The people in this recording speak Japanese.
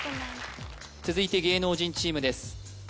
続いて芸能人チームです